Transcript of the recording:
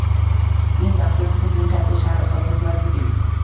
Men baxtsiz qizni katta shahar qabul qilarmikin